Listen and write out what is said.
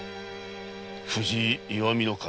藤井岩見守